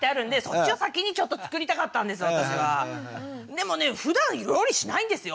でもねふだん料理しないんですよ！